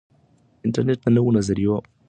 انټرنیټ د نویو نظریو د پیدا کولو ځای دی.